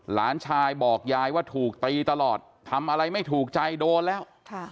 หลานชายบอกยายว่าถูกตีตลอดทำอะไรไม่ถูกใจโดนแล้ว